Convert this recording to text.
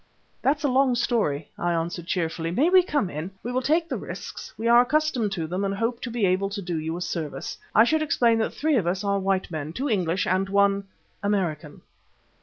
"That's a long story," I answered cheerfully. "May we come in? We will take the risks, we are accustomed to them and hope to be able to do you a service. I should explain that three of us are white men, two English and one American."